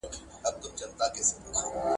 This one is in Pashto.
که ته بد عمل وکړې، پايله به يې ووينې.